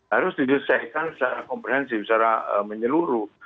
harus diselesaikan secara komprehensif secara menyeluruh